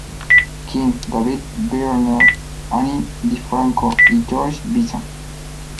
King, David Byrne, Ani DiFranco y George Benson.